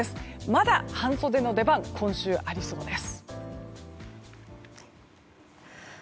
まだ半袖の出番が今週、ありそうです。